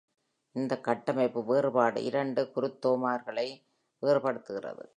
இந்த கட்டமைப்பு வேறுபாடு இரண்டு குருத்தோமர்களை வேறுபடுத்துகிறது.